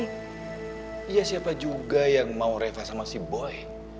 iya siapa juga yang mau reva sama si boi